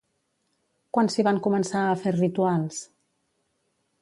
Quan s'hi van començar a fer rituals?